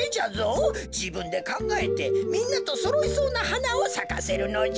じぶんでかんがえてみんなとそろいそうなはなをさかせるのじゃ。